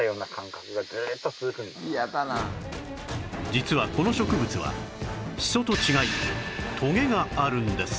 実はこの植物はシソと違いトゲがあるんです